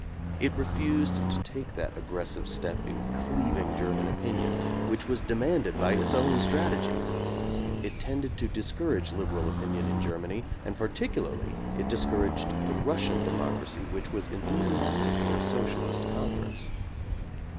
It refused to take that aggressive step in cleaving German opinion which was demanded by its own strategy. It tended to discourage lib eral opinion in Germany and particularly it dis couraged the Russian democracy which was en thusiastic for a socialist conference.